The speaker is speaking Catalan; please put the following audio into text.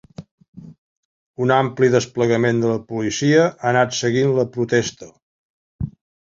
Un ampli desplegament de la policia ha anat seguint la protesta.